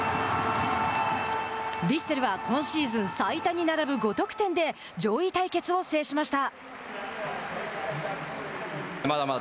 ヴィッセルは今シーズン最多に並ぶ５得点で上位対決を制しました。